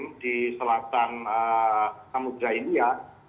ketika kita mengidentifikasi adanya tropical cyclone karim